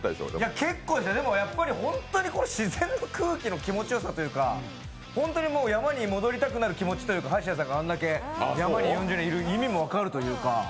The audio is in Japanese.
結構です、でも自然の空気の気持ちよさというか、本当に山に戻りたくなる気持ちというか橋谷さんがあれだけ山を好きな意味が分かるというか。